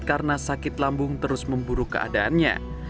karena sakit lambung terus memburuk keadaannya